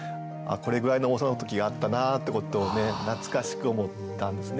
これぐらいの重さの時があったなってことをね懐かしく思ったんですね。